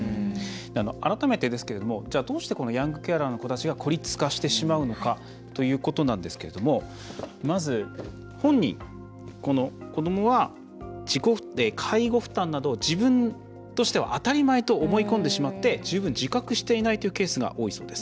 改めてですけれどもどうしてヤングケアラーの子たちが孤立化してしまうのかということなんですけれどもまず、本人、子どもは介護負担などを自分としては当たり前と思い込んでしまって十分、自覚していないというケースが多いそうです。